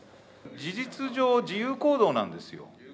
事実上、自由行動なんですよ。